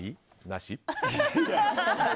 なし？